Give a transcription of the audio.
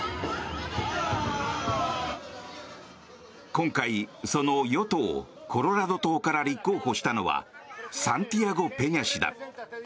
今回、その与党コロラド党から立候補したのはサンティアゴ・ペニャ氏だ。